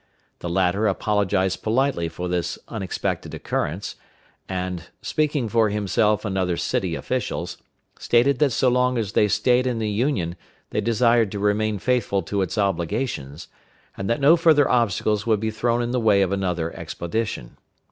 The latter apologized politely for this unexpected occurrence, and, speaking for himself and other city officials, stated that so long as they staid in the Union they desired to remain faithful to its obligations, and that no further obstacles would be thrown in the way of another expedition.